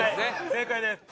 正解です。